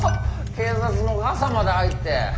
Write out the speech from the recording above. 警察のガサまで入って。